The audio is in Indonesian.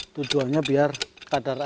tujuannya biar kadar air